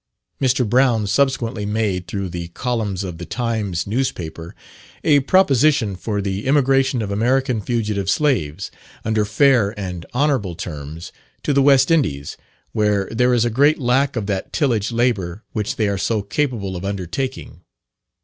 Mr. Brown subsequently made, through the columns of the Times newspaper, a proposition for the emigration of American fugitive slaves, under fair and honourable terms, to the West Indies, where there is a great lack of that tillage labour which they are so capable of undertaking.